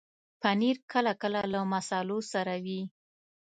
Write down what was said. پنېر کله کله له مصالحو سره وي.